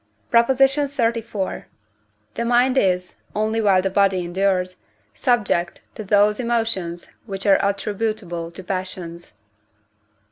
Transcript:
PROP. XXXIV. The mind is, only while the body endures, subject to those emotions which are attributable to passions.